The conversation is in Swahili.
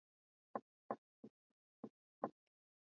mtu anaweza kuhadithia hadhira wake vizuri sana